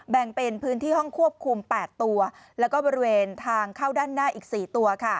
แบ่งเป็นพื้นที่ห้องควบคุม๘ตัวแล้วก็บริเวณทางเข้าด้านหน้าอีก๔ตัว